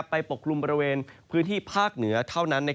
ปกลุ่มบริเวณพื้นที่ภาคเหนือเท่านั้น